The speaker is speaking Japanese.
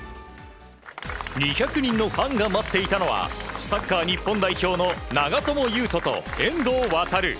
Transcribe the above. ２００人のファンが待っていたのはサッカー日本代表の長友佑都と遠藤航。